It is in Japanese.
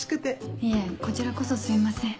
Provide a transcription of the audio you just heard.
いえこちらこそすいません。